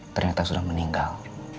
ternyata sudah meninggal